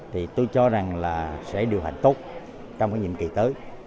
thì tôi cho rằng là sẽ điều hành tốt trong cái nhiệm kỳ tới